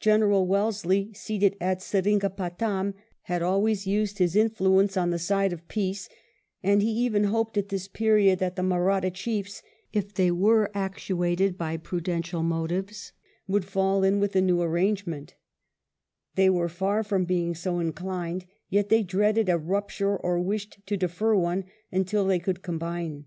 General Wellesley, seated at Seringa patam, had always used his influence on the side of peace; and he even hoped at this period that the Mahratta chiefs, if they were actuated by prudential motives, would fall in with the new arrangement They were far from being so inclined, yet they dreaded a rupture or wished to defer one imtil they could combine.